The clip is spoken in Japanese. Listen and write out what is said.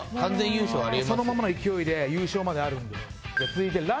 そのままの勢いで優勝まであるんでね。